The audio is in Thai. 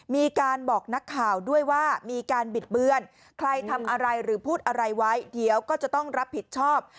มีการบอกนักข่าวด้วยว่ามีการบิดเบือนใครทำอะไรหรือพูดอะไรไว้เดี๋ยวก็จะต้องรับผิดชอบ